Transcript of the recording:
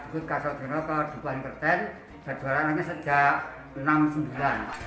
ikut kasau jero ke dukuhan kerten berjuara ini sejak seribu sembilan ratus enam puluh sembilan